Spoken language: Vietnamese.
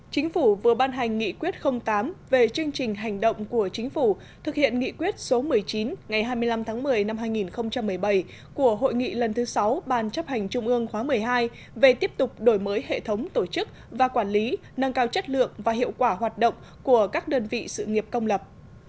chính phủ vừa ban hành nghị quyết tám về chương trình hành động của chính phủ thực hiện nghị quyết số một mươi chín ngày hai mươi năm tháng một mươi năm hai nghìn một mươi bảy của hội nghị lần thứ sáu ban chấp hành trung ương khóa một mươi hai về tiếp tục đổi mới hệ thống tổ chức và quản lý nâng cao chất lượng và hiệu quả hoạt động của các đơn vị sự nghiệp công lập